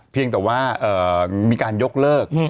เพียงแต่ว่ามีการยกเลิก